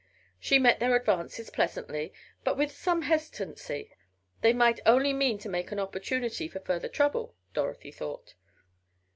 She met their advances pleasantly, but with some hesitancy they might only mean to make an opportunity for further trouble, Dorothy thought.